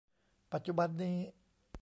ปัจจุบันนี้